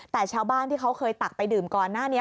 แต่ชาวบ้านที่เขาเคยตักไปดื่มก่อนหน้านี้